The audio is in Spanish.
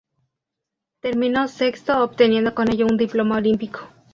Terminó sexto obteniendo con ello un diploma olímpico.